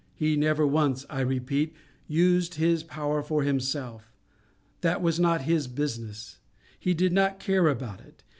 He never once, I repeat, used His power for Himself. That was not his business. He did not care about it.